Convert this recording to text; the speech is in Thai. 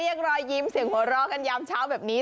เรียงรอยยิ้มเสียงหัวรอกันย้ำเช้าแบบนี้